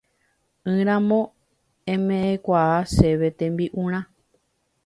ỹramo eme'ẽkuaa chéve tembi'urã